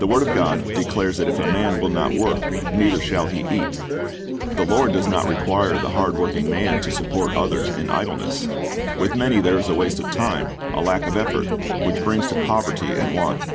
The word of God declares that if a man will not work, neither shall he eat' The Lord does not require the hard working man to support others in idleness. With many there is a waste of time, a lack of effort, M'hich brings to poverty and want.